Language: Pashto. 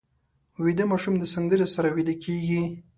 ویده ماشوم د سندرې سره ویده کېږي